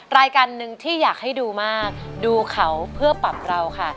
รายการหนึ่งที่อยากให้ดูมากดูเขาเพื่อปรับเราค่ะ